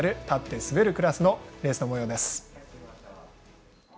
立って滑るクラスのレースのもようです。